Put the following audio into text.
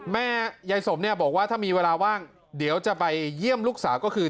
แม่ยายสมเนี่ยบอกว่าถ้ามีเวลาว่างเดี๋ยวจะไปเยี่ยมลูกสาวก็คือ